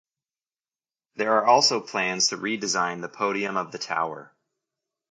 There are also plans to redesign the podium of the tower.